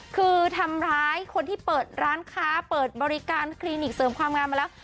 คือทำร้ายคนที่เปิดร้านค้าเปิดบริการคลินิกเสริมความงามมาแล้ว